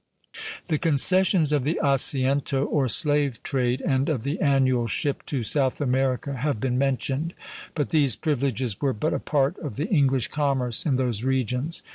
The concessions of the Asiento, or slave trade, and of the annual ship to South America have been mentioned; but these privileges were but a part of the English commerce in those regions.